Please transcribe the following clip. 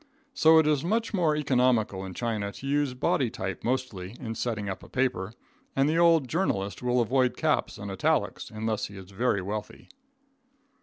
So it is much more economical in China to use body type mostly in setting up a paper, and the old journalist will avoid caps and italics, unless he is very wealthy.